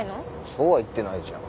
そうは言ってないじゃん。